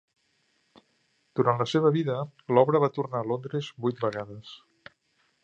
Durant la seva vida, l'obra va tornar a Londres vuit vegades.